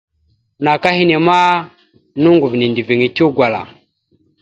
Naka henne ma noŋgov nendəviŋ etew gwala.